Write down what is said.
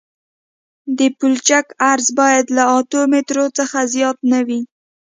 د پلچک عرض باید له اتو مترو څخه زیات نه وي